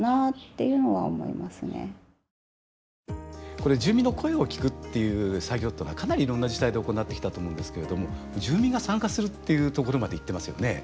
これ住民の声を聞くっていう作業というのはかなりいろんな自治体で行ってきたと思うんですけれども住民が参加するっていうところまでいってますよね。